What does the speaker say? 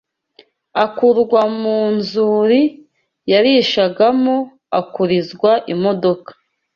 Akurwa mu nzuri yarishagamo, akurizwa imodoka